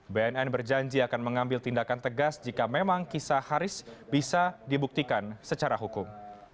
bnn berjanji akan mengambil tindakan tegas jika memang kisah haris bisa dibuktikan secara hukum